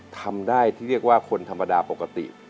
ทำได้ที่เรียกว่าคนธรรมดาปกติ